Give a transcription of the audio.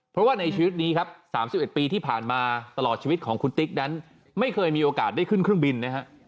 เพราะว่าในชีวิตนี้ครับ๓๑ปีที่ผ่านมาตลอดชีวิตของคุณติ๊กนั้นไม่เคยมีโอกาสได้ขึ้นเครื่องบินนะฮะ